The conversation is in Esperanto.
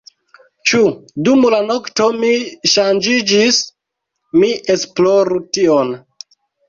Ĉu dum la nokto mi ŝanĝiĝis? mi esploru tion.